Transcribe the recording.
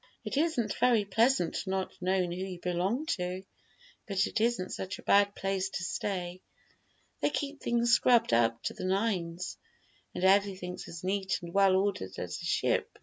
"It isn't very pleasant not knowing who you belong to, but it isn't such a bad place to stay. They keep things scrubbed up to the nines, and everything's as neat and well ordered as a ship.